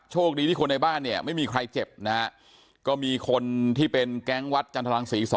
คดีที่คนในบ้านเนี่ยไม่มีใครเจ็บนะฮะก็มีคนที่เป็นแก๊งวัดจันทรังศรี๒